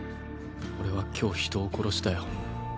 俺は今日人を殺したよ。